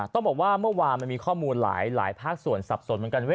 ต้องบอกว่าเมื่อวานมันมีข้อมูลหลายภาคส่วนสับสนเหมือนกัน